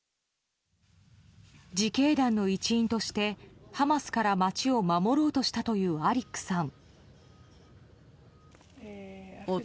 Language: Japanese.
自警団の一員としてハマスから町を守ろうとしたというアリックさん。